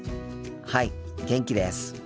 はい元気です。